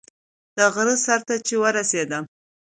د غره سر ته چې ورسېدم.